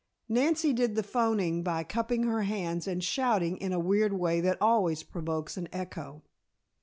Nancy did the phoning by cupping her hands and shouting in the weird way that always provokes an echo.